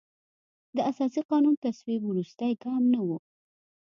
د اساسي قانون تصویب وروستی ګام نه و.